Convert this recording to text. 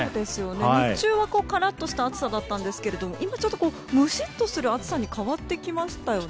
日中はカラッとした暑さだったんですけど今ちょっとムシッとする暑さに変わってきましたよね。